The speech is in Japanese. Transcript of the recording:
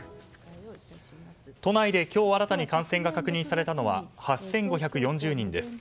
都内で今日新たに感染が確認されたのは８５４０人です。